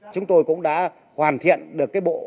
chúng tôi cũng đã hoàn thiện được cái bộ pháp lý này